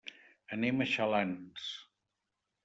Anem a Xalans.